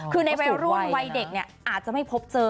คือในวัยรุ่นวัยเด็กเนี่ยอาจจะไม่พบเจอ